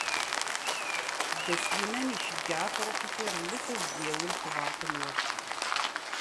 Dda Sliman iceyyeɛ afrux ifirelles ad s-d-yawi lexbar n tmurt.